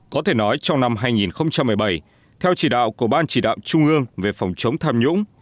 có thể nói trong năm hai nghìn một mươi bảy theo chỉ đạo của ban chỉ đạo trung ương về phòng chống tham nhũng